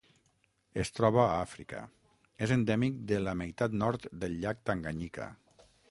Es troba a Àfrica: és endèmic de la meitat nord del llac Tanganyika.